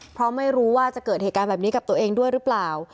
เพราะไม่รู้ว่าจะเกิดเหตุการณ์แบบนี้กับตัวเองด้วยหรือเปล่า